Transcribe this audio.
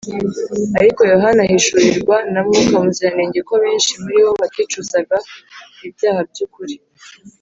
. Ariko Yohana ahishurirwa na Mwuka Muziranenge ko benshi muri bo baticuzaga ibyaha by’ukuri.